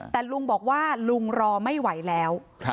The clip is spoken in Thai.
แต่ลุงบอกว่าลุงรอไม่ไหวแล้ว